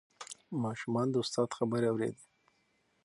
ماشومان د استاد خبرې اورېدې.